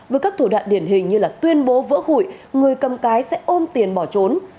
với các thủ đoạn điển hình như tuyên bố vỡ hủy người cầm cái sẽ ôm tiền bỏ trốn